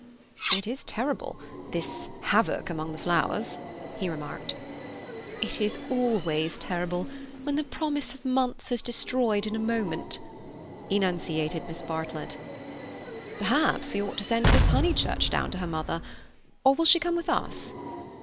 "It is terrible, this havoc among the flowers," he remarked. "It is always terrible when the promise of months is destroyed in a moment," enunciated Miss Bartlett. "Perhaps we ought to send Miss Honeychurch down to her mother. Or will she come with us?"